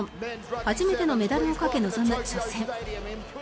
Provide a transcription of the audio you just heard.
初めてのメダルをかけ臨む初戦。